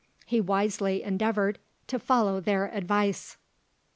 He wisely endeavoured to follow their advice.